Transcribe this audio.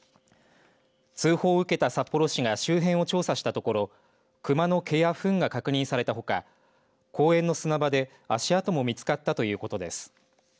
通報を受けた札幌市が周辺を調査したところ熊の毛やふんが確認されたほか公園の砂場で、足跡も見つかったということです。